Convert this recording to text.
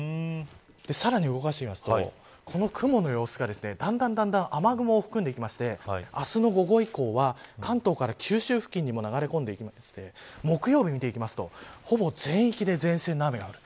さらに動かしてみるとこの雲の様子がだんだん雨雲を含んできて明日の午後以降は関東から九州付近にも流れ込んできまして木曜日を見ていくとほぼ全域で前線の雨が降る。